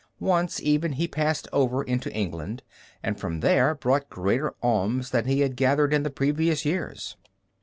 Once even he passed over into England, and from there brought greater alms than he had gathered in the previous years.